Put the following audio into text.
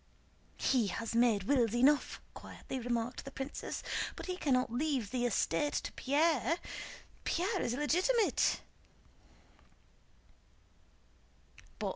"He has made wills enough!" quietly remarked the princess. "But he cannot leave the estate to Pierre. Pierre is illegitimate."